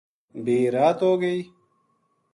بھی رات ہو گئی